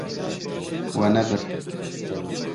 We nebir.